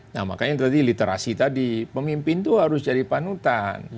nah makanya tadi literasi tadi pemimpin itu harus jadi panutan